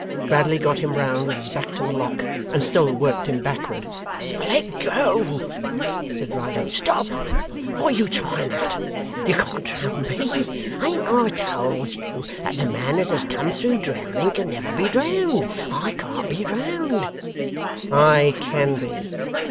Bradley got him round, with his back to the Lock, and still worked him backward. 'Let go!' said Riderhood. 'Stop! What are you trying at? You can't drown Me. Ain't I told you that the man as has come through drowning can never be drowned? I can't be drowned.' 'I can be!